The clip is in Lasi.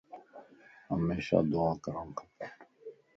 ھميشا دعا ڪرڻ کپ